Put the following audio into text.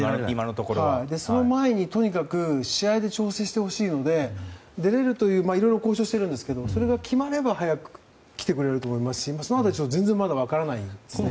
その前に、とにかく試合で調整してほしいのでいろいろ交渉しているんですがそれが決まれば早く来てくれると思いますしその辺りはまだ全然分からないんですね。